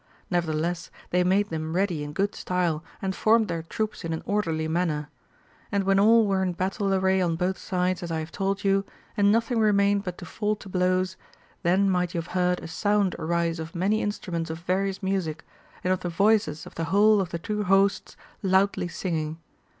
Nevertheless they made them ready in good style and formed their troops in an orderly manner. And when all were in battle array on both sides as I have told vou, and nothing: remained but to fall to blows, then might you have heard a sound arise of many instruments of various music, and of the voices of the whole of the two hosts loudly singing.